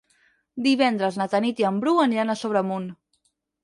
Divendres na Tanit i en Bru aniran a Sobremunt.